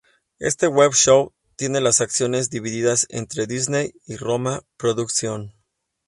Este Web Show tiene las acciones divididas entre Disney y RoMa Productions.